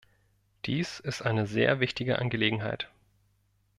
Dies ist eine sehr wichtige Angelegenheit.